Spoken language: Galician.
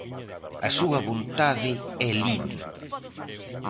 A súa vontade é libre.